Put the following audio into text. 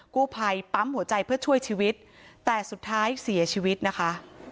กู้ภัยปั๊มหัวใจเพื่อช่วยชีวิตแต่สุดท้ายเสียชีวิตนะคะ